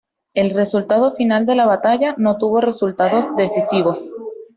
El resultado final de la batalla no tuvo resultados decisivos.